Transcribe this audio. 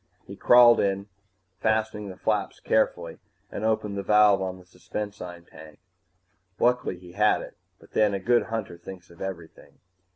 He crawled in, fastening the flaps carefully, and opened the valve on the suspensine tank. Lucky he had it but then, a good hunter thinks of everything.